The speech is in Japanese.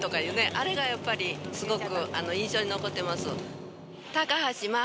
あれがやっぱりすごく印象に残ってます。